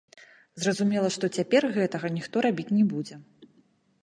Зразумела, што цяпер гэтага ніхто рабіць не будзе.